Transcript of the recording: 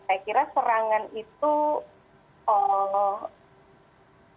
jadi saya kira serangan itu itu sudah diakses